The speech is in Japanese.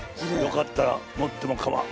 よかったら持ってもかまわん。